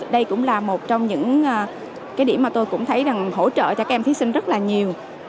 đây cũng là một trong những cái điểm mà tôi cũng thấy rằng hỗ trợ cho các em thí sinh rất là nhiều